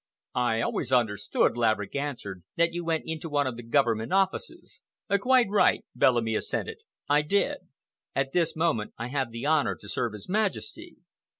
"I always understood," Laverick answered, "that you went into one of the Government offices." "Quite right," Bellamy assented. "I did. At this moment I have the honor to serve His Majesty."